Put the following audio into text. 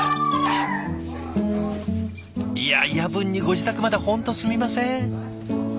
いや夜分にご自宅まで本当すみません。